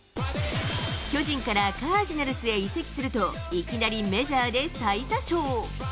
巨人からカージナルスへ移籍すると、いきなりメジャーで最多勝。